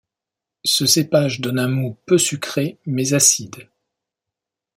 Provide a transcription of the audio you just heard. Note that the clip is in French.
Ce cépage donne un moût peu sucré mais acide.